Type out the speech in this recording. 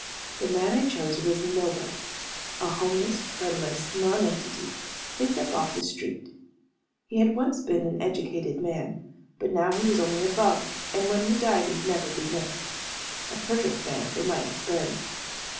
The man I chose was a nobody. A homeless, friendless non entity, picked up off the street. He had once been an educated man. But now he was only a bum, and when he died he'd never be missed. A perfect man for my experiment.